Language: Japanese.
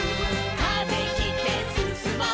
「風切ってすすもう」